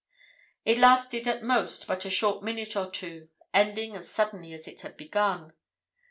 "It lasted at most but a short minute or two, ending as suddenly as it had begun.